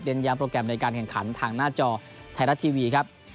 ย้ำโปรแกรมในการแข่งขันทางหน้าจอไทยรัฐทีวีครับ